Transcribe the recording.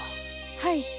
はい。